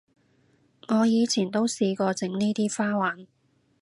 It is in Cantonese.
我以前都試過整呢啲花環